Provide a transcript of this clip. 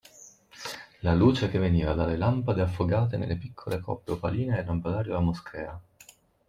La luce che veniva dalle lampade affogate nelle piccole coppe opaline del lampadario da moschea.